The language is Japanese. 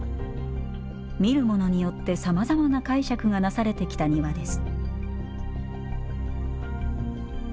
見る者によってさまざまな解釈がなされてきた庭です